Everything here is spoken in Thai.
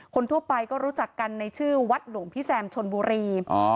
คนทั่วไปก็รู้จักกันในชื่อวัดหลวงพี่แซมชนบุรี